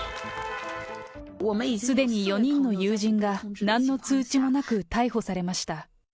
すでに４人の友人が、なんの通知もなく、逮捕されました。